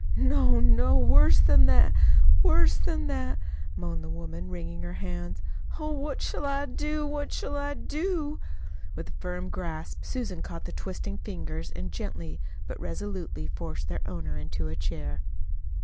"No, no, worse than that, worse than that!" moaned the woman, wringing her hands. "Oh, what shall I do, what shall I do?" With a firm grasp Susan caught the twisting fingers and gently but resolutely forced their owner into a chair.